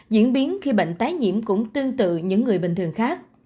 diễn biến khi bệnh tái nhiễm cũng tương tự những người bình thường khác